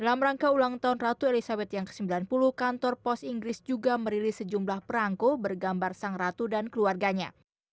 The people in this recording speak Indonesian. dalam rangka ulang tahun ratu elizabeth yang ke sembilan puluh kantor pos inggris juga merilis sejumlah perangko bergambar sang ratu dan keluarganya